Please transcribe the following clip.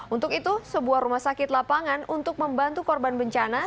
untuk itu sebuah rumah sakit lapangan untuk membantu korban bencana